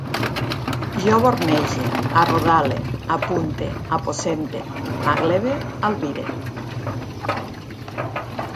Jo bornege, arrodale, apunte, aposente, m'agleve, albire